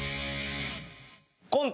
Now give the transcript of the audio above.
コント